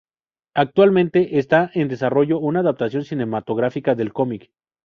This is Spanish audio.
Actualmente está en desarrollo una adaptación cinematográfica del cómic.